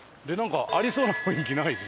ありそうな雰囲気ないし。